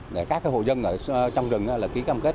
để các hồ dân trong rừng ký cam kết